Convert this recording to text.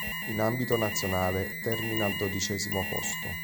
In ambito nazionale termina al dodicesimo posto.